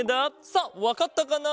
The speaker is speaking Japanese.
さあわかったかな？